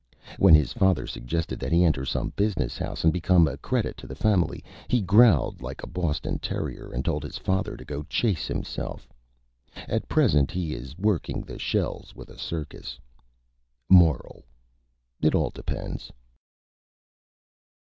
When his Father suggested that he enter some Business House, and become a Credit to the Family, he growled like a Boston Terrier, and told his Father to go Chase Himself. At present, he is working the Shells with a Circus. MORAL: _It all depends.